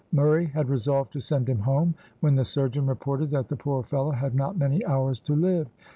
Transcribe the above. Murray had resolved to send him home, when the surgeon reported that the poor fellow had not many hours to live.